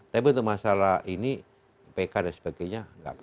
tapi untuk masalah ini pk dan sebagainya nggak ada komunikasi